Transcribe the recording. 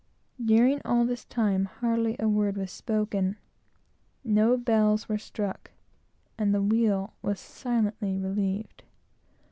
During all this time, hardly a word was spoken; no bells were struck, and the wheel was silently relieved.